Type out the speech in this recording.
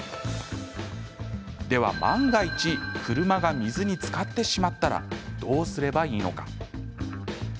では万が一車が水につかってしまったらどうすればいいのか。